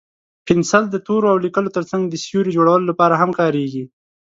پنسل د تورو او لیکلو تر څنګ د سیوري جوړولو لپاره هم کارېږي.